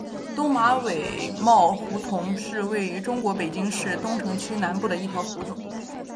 东马尾帽胡同是位于中国北京市东城区南部的一条胡同。